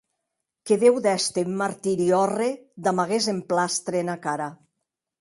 Que deu èster en un martiri òrre damb aguest emplastre ena cara.